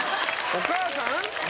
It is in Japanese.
お母さん？